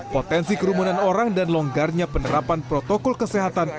potensi kerumunan orang dan longgarnya penerapan protokol kesehatan